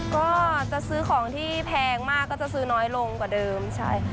ก็จะซื้อของที่แพงมากก็จะซื้อน้อยลงกว่าเดิมใช่ค่ะ